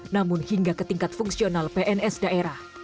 namun hingga ke tingkat fungsional pns daerah